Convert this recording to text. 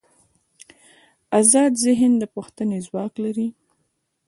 ازاد ذهن د پوښتنې ځواک لري.